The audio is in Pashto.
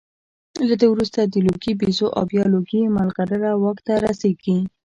له ده وروسته د لوګي بیزو او بیا لوګي مرغلره واک ته رسېږي